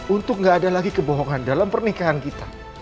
untuk gak ada lagi kebohongan dalam pernikahan kita